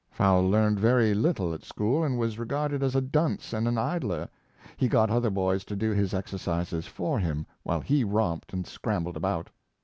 Fowell learned very little at school, and was re garded as a dunce and an idler. He got other boys to do his exercises for him, while he romped and scram bled about.